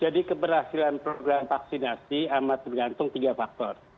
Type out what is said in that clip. jadi keberhasilan program vaksinasi amat bergantung tiga faktor